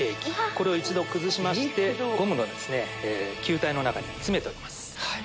これを一度崩しましてゴムの球体の中に詰めております。